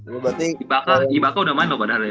berarti ibaka ibaka udah main loh bener ya